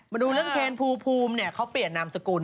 มาดูเรื่องเทนภูมิพูมเนี่ยเขาเปลี่ยนนามสกุล